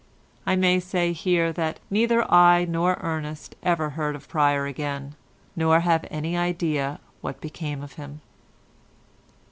I may say here that neither I nor Ernest ever heard of Pryer again, nor have any idea what became of him.